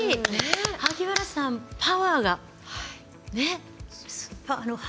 萩原さん、パワーが。